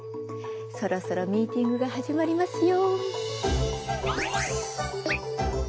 そろそろミーティングが始まりますよ。